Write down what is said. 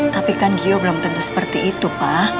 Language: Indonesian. tapi kan gio belum tentu seperti itu pak